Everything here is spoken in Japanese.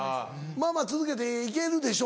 まぁまぁ続けて行けるでしょ。